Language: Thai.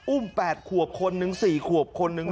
อุ้ม๘ขวบคนหนึ่ง๔ขวบคนหนึ่ง